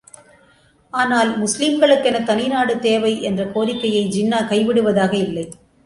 ஆனால், முஸ்லீம்களுக்கென தனிநாடு தேவை என்ற கோரிக்கையை ஜின்னா கைவிடுவதாக இல்லை.